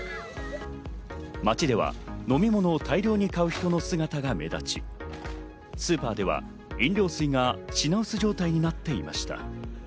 街では飲み物を大量に買う人の姿が目立ち、スーパーでは飲料水が品薄状態になっていました。